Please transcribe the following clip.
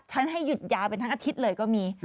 ให้หยุดยาวเป็นทั้งอาทิตย์เลยก็มี